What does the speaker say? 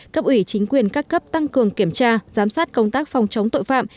cấp ủy chính quyền các cấp tăng cường kiểm tra giám sát công tác phòng chống tội phạm